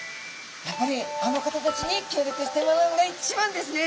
やっぱりあの方たちに協力してもらうのが一番ですね！